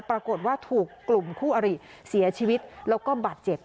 ปรากฏว่าถูกกลุ่มคู่อริเสียชีวิตแล้วก็บาดเจ็บ